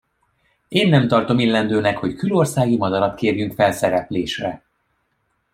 Én nem tartom illendőnek, hogy külországi madarat kérjünk fel szereplésre.